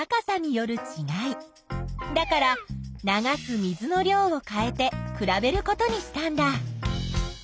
だから流す水の量を変えてくらべることにしたんだ。